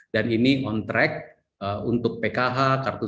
dan ini on track untuk pkh kartu